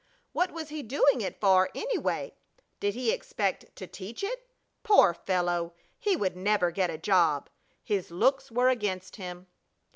What was he doing it for, anyway? Did he expect to teach it? Poor fellow, he would never get a job! His looks were against him.